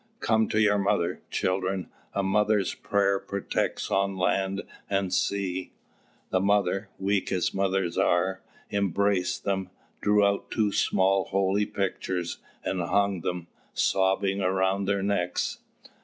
"Come to your mother, children; a mother's prayer protects on land and sea." The mother, weak as mothers are, embraced them, drew out two small holy pictures, and hung them, sobbing, around their necks.